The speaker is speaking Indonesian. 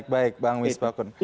baik bang mies bakun